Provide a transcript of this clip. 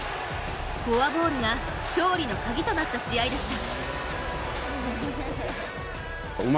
フォアボールが勝利の鍵となった試合だった。